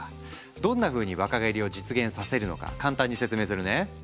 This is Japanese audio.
どんなふうに若返りを実現させるのか簡単に説明するね。